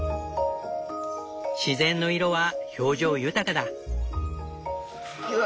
自然の色は表情豊かだ。